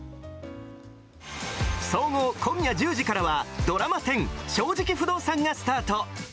総合、今夜１０時からは、ドラマ１０、正直不動産がスタート。